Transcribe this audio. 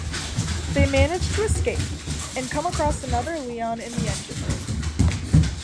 They manage to escape and come across another Leon in the engine room.